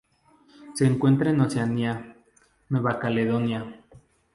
Se encuentra en Oceanía: Nueva Caledonia.